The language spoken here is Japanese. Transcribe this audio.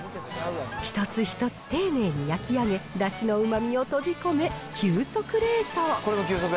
一つ一つ丁寧に焼き上げ、だしのうまみを閉じ込め、急速冷凍。